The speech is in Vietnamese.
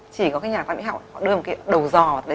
chỉ có nhà tài mỹ họng đưa một cái đầu dò vào đấy